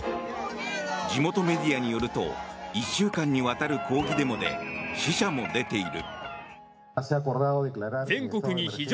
地元メディアによると１週間にわたる抗議デモで死者も出ている。